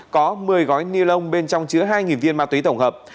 có một mươi gói ni lông bên trong chứa hai viên ma túy tổng hợp